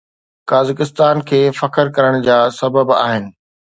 قزاقستان کي فخر ڪرڻ جا سبب آهن